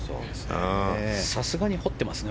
さすがにもう彫ってますね。